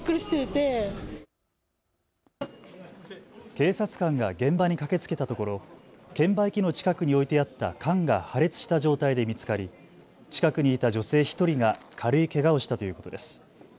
警察官が現場に駆けつけたところ券売機の近くに置いてあった缶が破裂した状態で見つかり近くにいた女性１人が軽いけがをしたということです。